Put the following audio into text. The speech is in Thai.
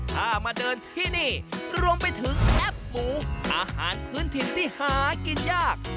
ถ้ามาเดินที่นี่รวมไปถึงแอปหมูอาหารพื้นถิ่นที่หากินยาก